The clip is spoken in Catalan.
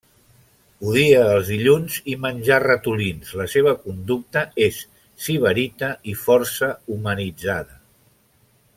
Odia els dilluns i menjar ratolins, la seva conducta és sibarita i força humanitzada.